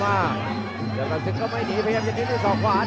โอ้โหจักรานุปรับศึกสองครับพล้างออกซ้าย